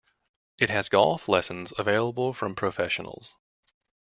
It has golf lessons available from professionals.